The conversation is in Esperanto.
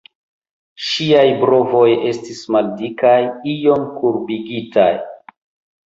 Ŝiaj brovoj estis maldikaj, iom kurbigitaj.